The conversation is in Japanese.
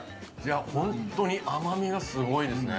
本当に甘みがすごいですね。